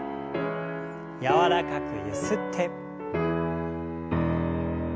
柔らかくゆすって。